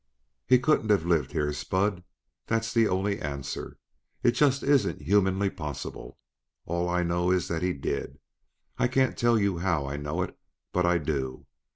"He couldn't have lived here, Spud; that's the only answer. It just isn't humanly possible. All I know is that he did it. I can't tell you how I know it, but I do.